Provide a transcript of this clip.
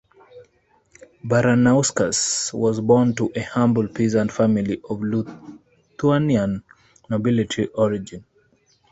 Baranauskas was born to a humble peasant family of Lithuanian nobility origin.